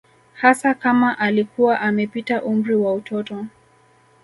Hasa kama alikuwa amepita umri wa utoto